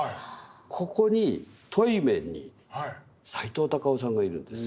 ここに対面にさいとう・たかをさんがいるんです。